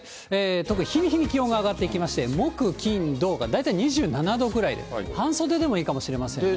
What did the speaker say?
日に日に気温が上がっていきまして、木、金、土が大体２７度くらいで、半袖でもいいかもしれませんね。